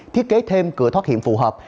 thiết kế thêm cửa thoát hiểm phù hợp